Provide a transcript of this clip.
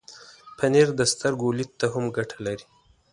پنېر د سترګو لید ته هم ګټه لري.